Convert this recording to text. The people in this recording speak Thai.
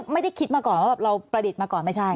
ไม่ได้คิดมาก่อนว่าเราประดิษฐ์มาก่อนไม่ใช่